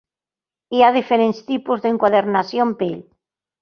Hi ha diferents tipus d'enquadernació en pell.